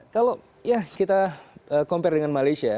kalau ya kita compare dengan malaysia